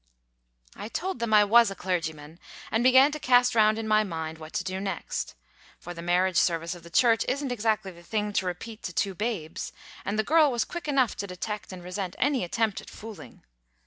I told them I was a clergyman, and began to cast round in my mind what to do next; for the marriage service of the Church isn't exactly the thing to repeat to two babes, and the girl was quick enough to detect and resent any attempt at fooling.